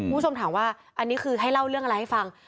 คุณผู้ชมถามว่าอันนี้คือให้เล่าเรื่องอะไรให้ฟัง